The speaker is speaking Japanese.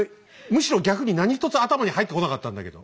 むしろ逆に何一つ頭に入ってこなかったんだけど。